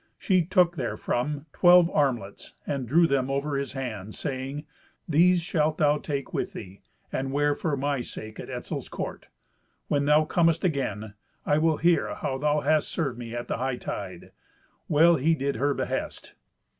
She took therefrom twelve armlets, and drew them over his hand, saying, "These shalt thou take with thee and wear for my sake at Etzel's court. When thou comest again, I will hear how thou hast served me at the hightide." Well he did her behest.